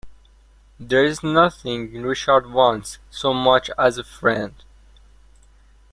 There is nothing Richard wants so much as a friend.